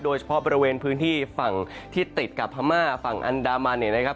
โดยเฉพาะบริเวณพื้นที่ฝั่งที่ติดกับพม่าฝั่งอันดามันเนี่ยนะครับ